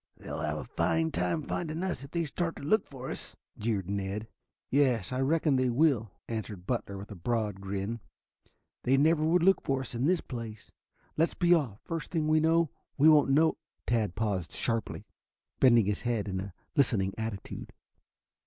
"They'll have a fine time finding us if they start to look for us," jeered Ned. "Yes, I reckon they will," answered Butler with a broad grin. "They never would look for us in this place. Let's be off. First thing we know, we won't know " Tad paused sharply, bending his head in a listening attitude.